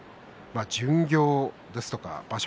巡業ですとか場所